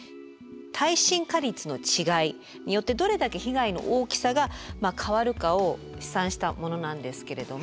耐震化率の違いによってどれだけ被害の大きさが変わるかを試算したものなんですけれども。